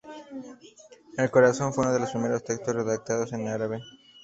El Corán fue uno de los primeros textos redactados en árabe.